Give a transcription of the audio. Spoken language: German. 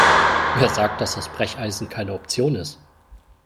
Wer sagt, dass das Brecheisen keine Option ist?